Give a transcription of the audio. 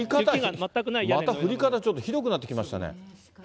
また降り方ちょっとひどくなってきましたね。